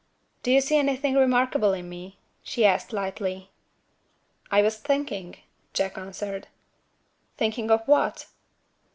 "Do you see anything remarkable in me?" she asked lightly. "I was thinking," Jack answered. "Thinking of what?"